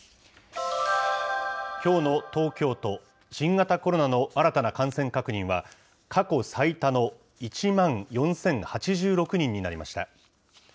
きょうの東京都、新型コロナの新たな感染確認は、過去最多の１万４０８６人になりました。